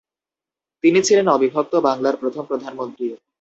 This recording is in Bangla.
তিনি ছিলেন অবিভক্ত বাংলার প্রথম প্রধানমন্ত্রী।